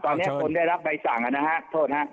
ตอนนี้คนได้รับใบสั่งนะฮะโทษฮะ